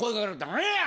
何や！